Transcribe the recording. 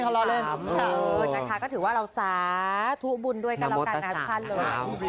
เออจัดค้าก็ถือว่าเราสาธุบุญด้วยกันแล้วกันนะค่ะ